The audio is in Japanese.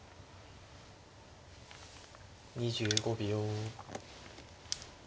２５秒。